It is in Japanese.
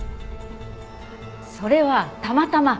それはたまたま。